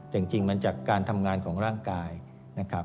แต่จริงมันจากการทำงานของร่างกายนะครับ